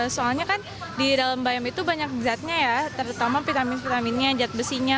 soalnya kan di dalam bayam itu banyak zatnya ya terutama vitamin vitaminnya zat besinya